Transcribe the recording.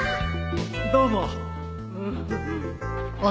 どうも。